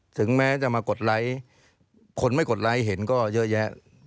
ถึงแม้จะมากดไลค์คนไม่กดไลค์เห็นก็เยอะแยะ